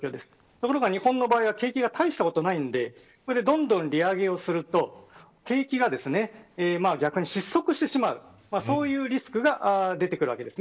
ところが日本の場合は景気が大したことがないのでこれでどんどん利上げをすると景気が失速してしまうそういうリスクが出てくるわけです。